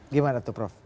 gimana tuh prof